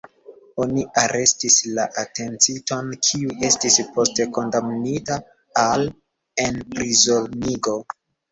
Oni arestis la atencinton, kiu estis poste kondamnita al enprizonigo.